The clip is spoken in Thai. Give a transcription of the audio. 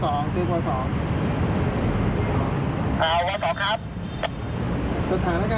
สถานการณ์ด้านในเป็นอย่างไรบ้างครับ